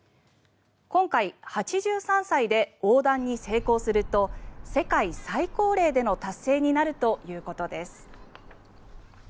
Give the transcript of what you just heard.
今回、８３歳で横断に成功すると世界最高齢での達成になるということです。